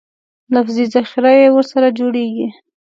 لفظي ذخیره یې ورسره جوړېږي.